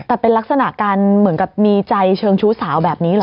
แต่เป็นลักษณะการเหมือนกับมีใจเชิงชู้สาวแบบนี้เหรอ